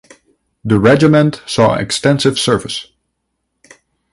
The regiment saw extensive service.